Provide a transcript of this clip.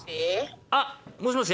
あっもしもし